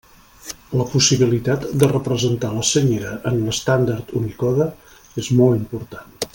La possibilitat de representar la Senyera en l'estàndard Unicode és molt important.